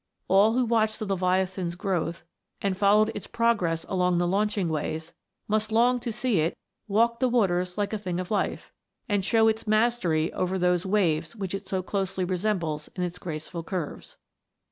All who watched the Leviathan's growth, and followed its progress along the launching ways, must long to see it " walk the waters like a thing of life," and show its mastery over those waves which it so closely resembles in its graceful curves.